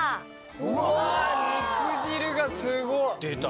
・うわ肉汁がすごい・出た。